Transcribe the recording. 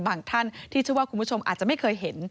ท่านที่เชื่อว่าคุณผู้ชมอาจจะไม่เคยเห็น